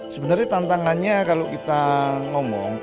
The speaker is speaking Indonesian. sebenarnya tantangannya kalau kita ngomong